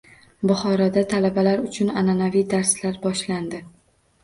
Buxoroda talabalar uchun an’anaviy darslar boshlandi